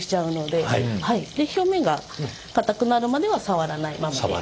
で表面がかたくなるまでは触らないままで。